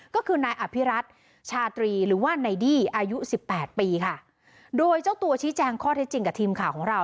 ก็คือนายอภิรัตน์ชาตรีหรือว่านายดี้อายุสิบแปดปีค่ะโดยเจ้าตัวชี้แจงข้อเท็จจริงกับทีมข่าวของเรา